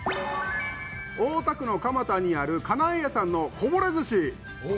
大田区の蒲田にある叶え家さんのこぼれ寿司。